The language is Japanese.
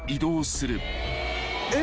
えっ？